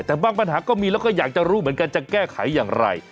แต่บางปัญหาก็มีแล้วก็อยากจะรู้เหมือนกันจะแก้ไขอย่างไร